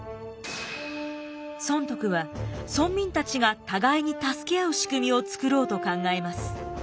尊徳は村民たちが互いに助け合う仕組みを作ろうと考えます。